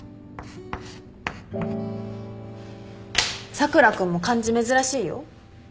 佐倉君も漢字珍しいよ。